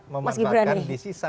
memanfaatkan di sisa